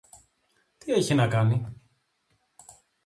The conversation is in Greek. Τι έχει να κάνει;